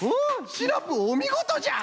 シナプーおみごとじゃ！